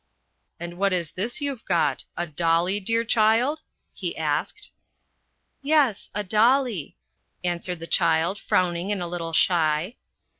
" And what is this you've got a dolly, dear child ?" he asked. " Yes, a dolly," answered the child, frowning, and a little shy.